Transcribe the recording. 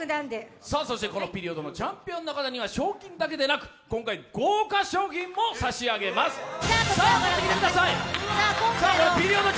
このピリオドでのチャンピオンの方は賞金だけではなく今回、豪華賞品も差し上げます。